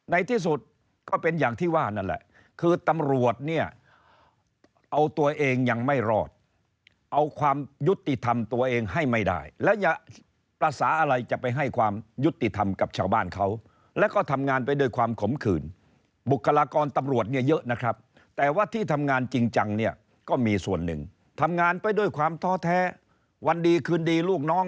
ในที่สุดก็เป็นอย่างที่ว่านั่นแหละคือตำรวจเนี่ยเอาตัวเองยังไม่รอดเอาความยุติธรรมตัวเองให้ไม่ได้แล้วอย่าภาษาอะไรจะไปให้ความยุติธรรมกับชาวบ้านเขาแล้วก็ทำงานไปด้วยความขมขืนบุคลากรตำรวจเนี่ยเยอะนะครับแต่ว่าที่ทำงานจริงจังเนี่ยก็มีส่วนหนึ่งทำงานไปด้วยความท้อแท้วันดีคืนดีลูกน้อง